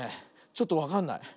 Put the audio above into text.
ちょっとわかんない。